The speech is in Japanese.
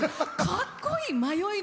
かっこいい！